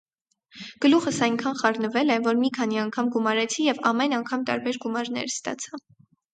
Գլուխս այնքան խառնվել է, որ մի քանի անգամ գումարեցի և ամեն անգամ տարբեր գումարներ ստացա: